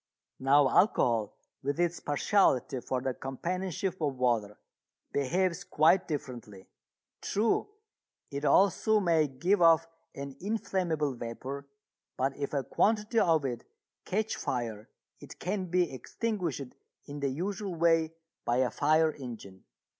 Now alcohol, with its partiality for the companionship of water, behaves quite differently. True, it also may give off an inflammable vapour, but if a quantity of it catch fire it can be extinguished in the usual way by a fire engine.